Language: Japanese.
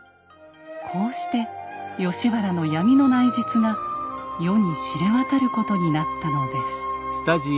こうして吉原の闇の内実が世に知れ渡ることになったのです。